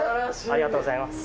ありがとうございます。